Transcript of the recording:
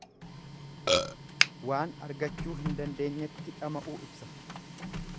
Waan argachuu hin dandeenyetti dhama'uu ibsa.